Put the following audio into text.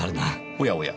おやおや